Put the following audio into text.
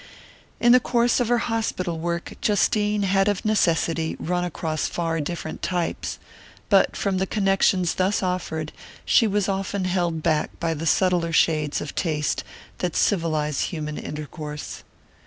In the course of her hospital work Justine had of necessity run across far different types; but from the connections thus offered she was often held back by the subtler shades of taste that civilize human intercourse.